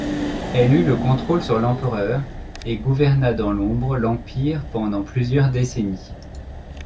Elle eut le contrôle sur l'Empereur et gouverna dans l'ombre l'Empire pendant plusieurs décennies.